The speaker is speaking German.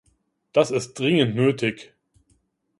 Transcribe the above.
Das ist dringend nötig.